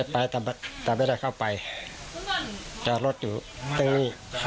แต่ไม่ได้เข้าไปจอดรถอยู่ตรงนี้